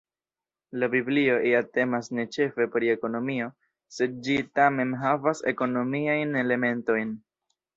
La biblio ja temas ne ĉefe pri ekonomio, sed ĝi tamen havas ekonomiajn elementojn.